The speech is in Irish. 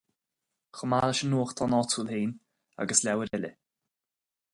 Chomh maith leis an nuachtán áitiúil féin agus leabhair eile.